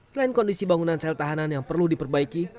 selain kondisi bangunan sel tahanan yang perlu diperbaiki